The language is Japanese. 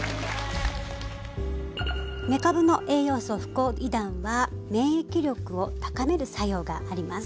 めかぶの栄養素フコイダンは免疫力を高める作用があります。